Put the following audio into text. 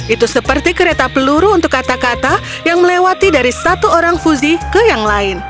itu seperti kereta peluru untuk kata kata yang melewati dari satu orang fuzi ke yang lain